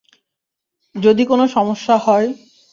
যদি কোনও সমস্যা হয়।